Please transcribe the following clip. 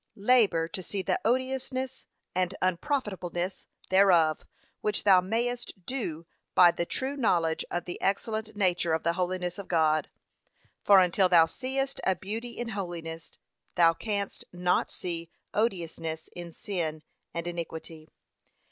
Labour to see the odiousness and unprofitableness thereof, which thou mayest do by the true knowledge of the excellent nature of the holiness of God. For until thou seest a beauty in holiness, thou canst not see odiousness in sin and iniquity.